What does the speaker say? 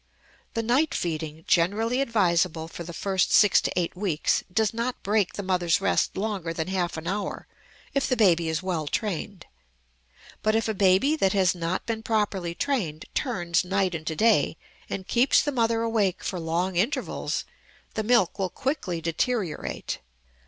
The night feeding, generally advisable for the first six to eight weeks, does not break the mother's rest longer than half an hour if the baby is well trained. But if a baby that has not been properly trained turns night into day and keeps the mother awake for long intervals, the milk will quickly deteriorate.